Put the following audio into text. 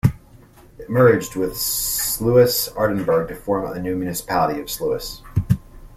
It merged with Sluis-Aardenburg to form the new municipality of Sluis.